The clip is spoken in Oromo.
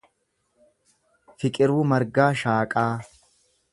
Fiqiruu Margaa Shaaqaa